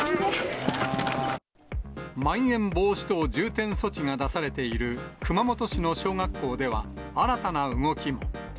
まん延防止等重点措置が出されている熊本市の小学校では、新たな動きも。